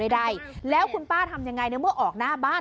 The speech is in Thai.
สุดทนแล้วกับเพื่อนบ้านรายนี้ที่อยู่ข้างกัน